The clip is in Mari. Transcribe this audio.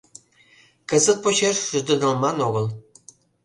— Кызыт почеш шӱдырнылман огыл.